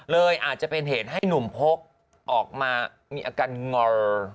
เลยอาจจะเป็นเหตุให้หนุ่มพกออกมามีอาการงอ